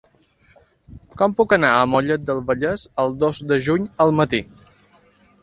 Com puc anar a Mollet del Vallès el dos de juny al matí?